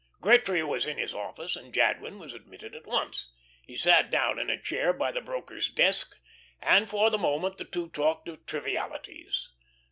Gretry was in his office, and Jadwin was admitted at once. He sat down in a chair by the broker's desk, and for the moment the two talked of trivialities.